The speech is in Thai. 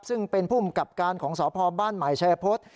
ซึ่งเป็นภูมิกับการของสพบ้านใหม่ชายพฤษ